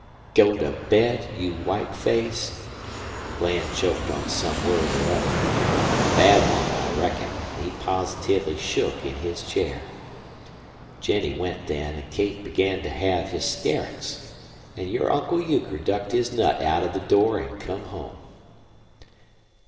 "'Go to bed, you white faced ' Bland choked on some word or other a bad one, I reckon an' he positively shook in his chair. "Jennie went then, an' Kate began to have hysterics. An' your Uncle Euchre ducked his nut out of the door an' come home."